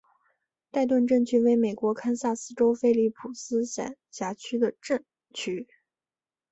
代顿镇区为美国堪萨斯州菲利普斯县辖下的镇区。